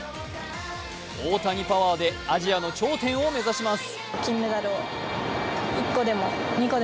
大谷パワーでアジアの頂点を目指します。